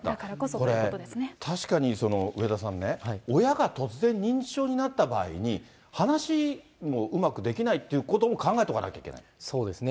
これ、確かに、上田さんね、親が突然、認知症になった場合に、話もうまくできないっていうことも考えてそうですね。